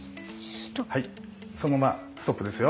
そのままストップですよ。